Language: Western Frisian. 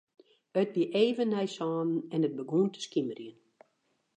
It wie even nei sânen en it begûn te skimerjen.